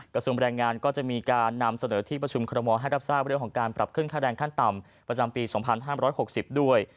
กระทรวงแรงงานก็จะมีการนำเสนอที่ประชุมคอรมอลให้รับทราบเรื่องของการปรับขึ้นค่าแรงขั้นต่ำประจำปี๒๕๖๐ด้วย